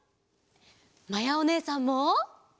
まやおねえさんも！